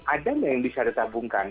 ada yang bisa ditabungkan